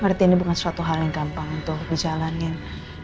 ngerti ini bukan suatu hal yang gampang untuk dijalankan